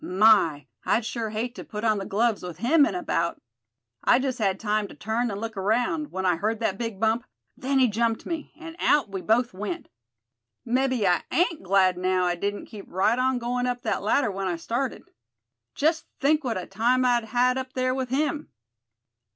My! I'd sure hate to put on the gloves with him in a bout. I just had time to turn and look around, when I heard that big bump; then he jumped me, and out we both went. Mebbe I ain't glad now I didn't keep right on going up that ladder when I started. Just think what a time I'd had up there with him!"